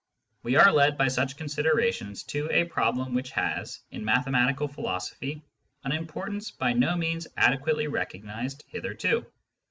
We are led by such considerations to a problem which has, in mathematical philosophy, an importance by no means adequately recognised hitherto.